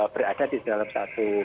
berada di dalam satu